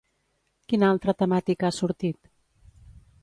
Quina altra temàtica ha sortit?